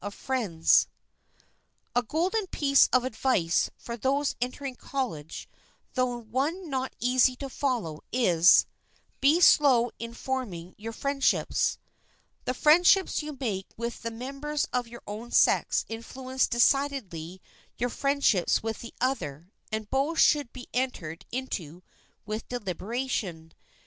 [Sidenote: FORMING FRIENDSHIPS] A golden piece of advice for those entering college, though one not easy to follow, is: "Be slow in forming your friendships." The friendships you make with the members of your own sex influence decidedly your friendships with the other and both should be entered into with deliberation.